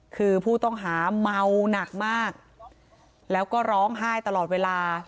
คือผู้ต้องหาเมาหนักมากแล้วก็ร้องไห้ตลอดเวลา